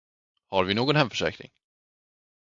Har vi någon hemförsäkring?